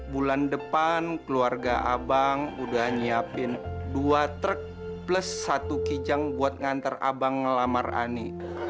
bulan depan keluarga abang udah nyiapin dua truk plus satu kijang buat ngantar abang ngelamar ani